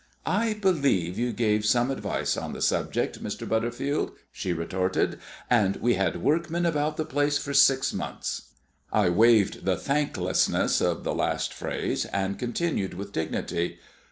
"I believe you gave some advice on the subject, Mr. Butterfield," she retorted, "and we had workmen about the place for six months." I waived the thanklessness of the last phrase, and continued with dignity.